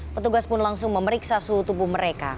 petugas pun langsung memeriksa suhu tubuh mereka